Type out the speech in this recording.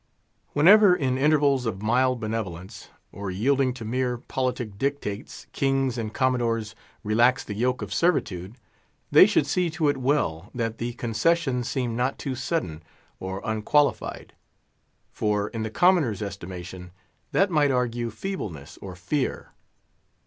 Whenever, in intervals of mild benevolence, or yielding to mere politic dictates, Kings and Commodores relax the yoke of servitude, they should see to it well that the concession seem not too sudden or unqualified; for, in the commoner's estimation, that might argue feebleness or fear.